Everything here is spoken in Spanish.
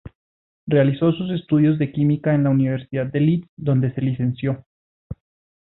Realizó sus estudios de química en la Universidad de Leeds donde se licenció.